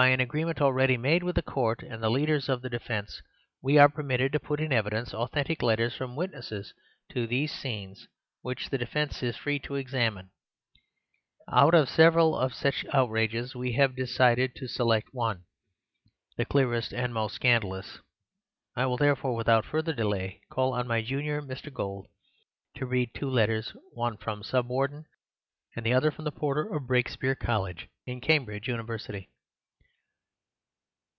By an agreement already made with the Court and the leaders of the defence, we are permitted to put in evidence authentic letters from witnesses to these scenes, which the defence is free to examine. Out of several cases of such outrages we have decided to select one— the clearest and most scandalous. I will therefore, without further delay, call on my junior, Mr. Gould, to read two letters—one from the Sub Warden and the other from the porter of Brakespeare College, in Cambridge University."